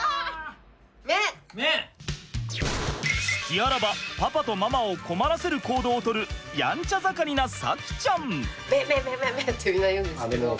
隙あらばパパとママを困らせる行動を取るヤンチャ盛りな咲希ちゃん。